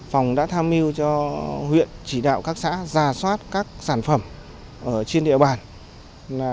phòng đã tham mưu cho huyện chỉ đạo các xã ra soát các sản phẩm trên địa bàn